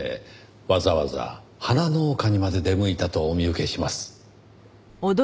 わざわざ花農家にまで出向いたとお見受けします。